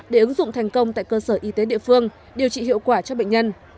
để ứng dụng thành công tại cơ sở y tế địa phương điều trị hiệu quả cho bệnh nhân